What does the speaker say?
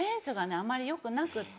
あんまりよくなくって。